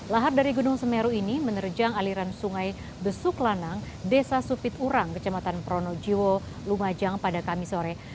lahar dari gunung semeru ini menerjang aliran sungai besuk lanang desa supiturang kecamatan pronojiwo lumajang pada kamis sore